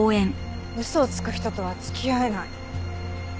嘘をつく人とは付き合えない。